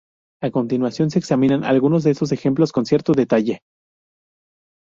A continuación se examinan algunos de estos ejemplos con cierto detalle.